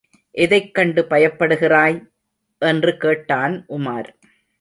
எதைக் கண்டு பயப்படுகிறாய்? என்று கேட்டான் உமார்.